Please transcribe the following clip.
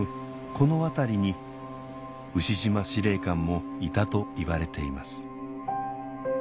この辺りに牛島司令官もいたといわれています